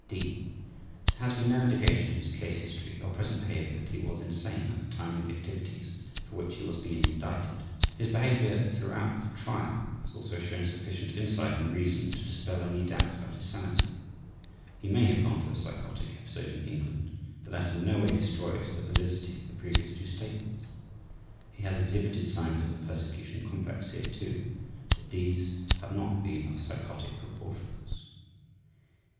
d. There has been no indication in his case history or present behavior that he was insane at the time of the activities for which he has been indicted. His behavior throughout the trial has also shown sufficient insight and reason to dispel any doubts about his sanity. (He may have gone through a psychotic episode in England, but that in no way destroys the validity of the previous two statements. He has exhibited signs of a "persecution complex" here too, but these have not been of psychotic proportions.)